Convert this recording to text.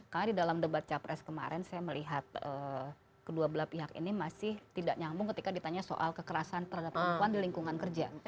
karena di dalam debat capres kemarin saya melihat kedua belah pihak ini masih tidak nyambung ketika ditanya soal kekerasan terhadap perempuan di lingkungan kerja